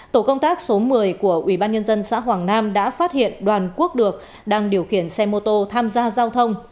tổ công tác số một mươi của ubnd xã hoàng nam đã phát hiện đoàn quốc được đang điều khiển xe mô tô tham gia giao thông